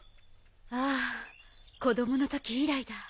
ああ子供の時以来だ。